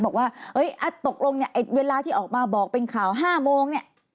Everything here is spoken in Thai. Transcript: บอกว่าตกลงเวลาที่ออกมาบอกเป็นข่าว๕โมง